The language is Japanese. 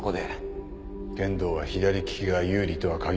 剣道は左利きが有利とはかぎらないが。